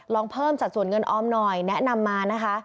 ลองเพิ่มสัดส่วนเงินออมหน่อยแนะนำมานะคะ